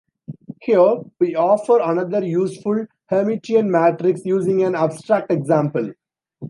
Here we offer another useful Hermitian matrix using an abstract example.